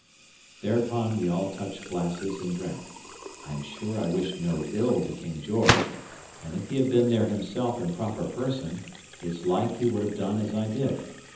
Thereupon we all touched glasses and drank. I am sure I wished no ill to King George; and if he had been there himself in proper person, it's like he would have done as I did.